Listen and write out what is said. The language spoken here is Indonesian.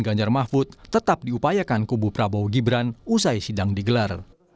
ganjar mahfud tetap diupayakan kubu prabowo gibran usai sidang digelar